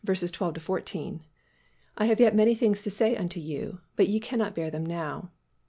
12 14, "I have yet many things to say unto you, but ye cannot bear them now.